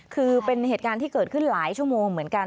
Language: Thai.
คือเป็นเหตุการณ์ที่เกิดขึ้นหลายชั่วโมงเหมือนกัน